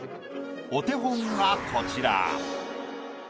お手本がこちら。